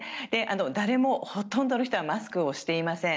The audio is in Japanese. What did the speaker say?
誰も、ほとんどの人はマスクをしていません。